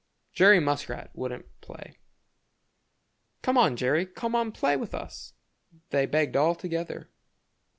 Jerry Muskrat wouldn't play. "Come on, Jerry, come on play with us," they begged all together.